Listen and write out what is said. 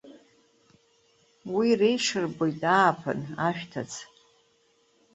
Уи реиҽырбоит ааԥын, ашәҭыц.